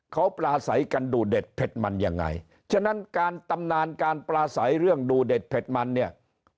เขาปลาใสกันดูเด็ดเผ็ดมันยังไงฉะนั้นการตำนานการปลาใสเรื่องดูเด็ดเผ็ดมันเนี่ย